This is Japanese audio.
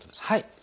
はい。